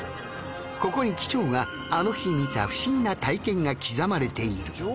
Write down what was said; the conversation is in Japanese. ここに機長があの日見た不思議な体験が刻まれている。